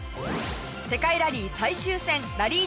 世界ラリー最終戦ラリー